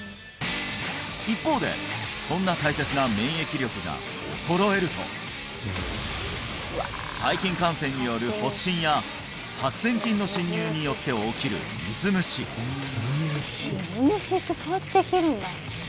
一方でそんな大切な免疫力が細菌感染による発疹や白せん菌の侵入によって起きる水虫水虫ってそうやってできるんだ